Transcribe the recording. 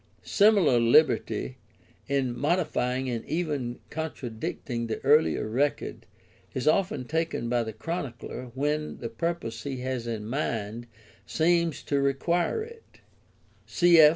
Similar liberty in modifying and even contradicting the earlier record is often taken by the Chronicler when the purpose he has in mind seems to him to require it; cf.